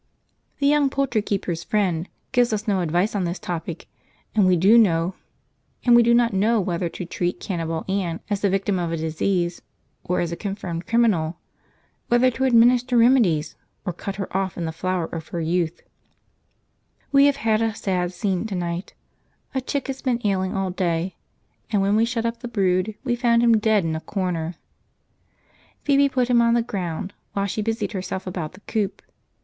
The Young Poultry Keeper's Friend gives us no advice on this topic, and we do not know whether to treat Cannibal Ann as the victim of a disease, or as a confirmed criminal; whether to administer remedies or cut her off in the flower of her youth. {Poor little chap, ... 'e never was a fyvorite: p56.jpg} We have had a sad scene to night. A chick has been ailing all day, and when we shut up the brood we found him dead in a corner. Phoebe put him on the ground while she busied herself about the coop.